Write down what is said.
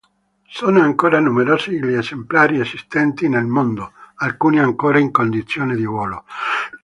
Sono ancora numerosi gli esemplari esistenti nel mondo, alcuni ancora in condizioni di volo.